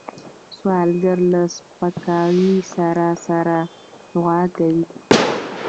سوالګر له سپکاوي سره سره دعا کوي